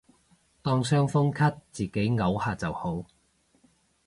當傷風咳自己漚下就好